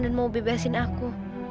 dan mau bebasin aku